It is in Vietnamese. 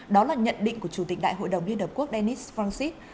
đó là nhận định của chủ tịch đại hội đồng liên hợp quốc denis francis